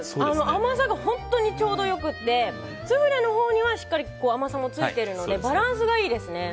甘さが本当にちょうどよくてスフレのほうにはしっかり甘さもついているのでバランスがいいですね。